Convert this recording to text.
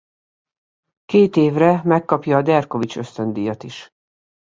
Két évre megkapja a Derkovits-ösztöndíjat is.